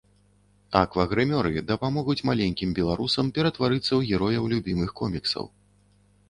Аквагрымёры дапамогуць маленькім беларусам ператварыцца ў герояў любімых коміксаў.